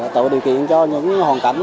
tạo điều kiện cho những hoàn cảnh